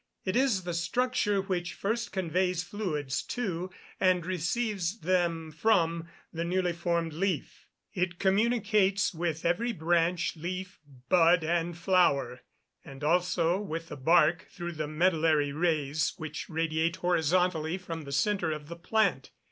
It is the structure which first conveys fluids to, and receives them from, the newly formed leaf. It communicates with every branch, leaf, bud, and flower; and also with the bark, through the medullary rays, which radiate horizontally from the centre of the plant.